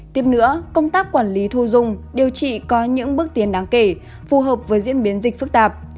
tiếp nữa công tác quản lý thu dung điều trị có những bước tiến đáng kể phù hợp với diễn biến dịch phức tạp